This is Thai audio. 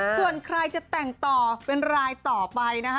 ส่วนใครจะแต่งต่อเป็นรายต่อไปนะคะ